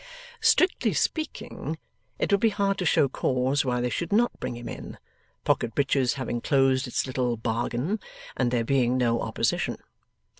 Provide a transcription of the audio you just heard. Strictly speaking, it would be hard to show cause why they should not bring him in, Pocket Breaches having closed its little bargain, and there being no opposition.